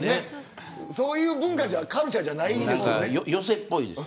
そういうカルチャーじゃないですよね。